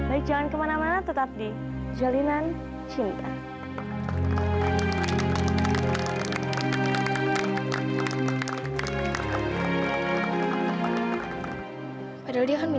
aku gak bisa menunggu lagi